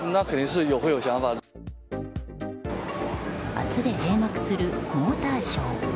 明日で閉幕するモーターショー。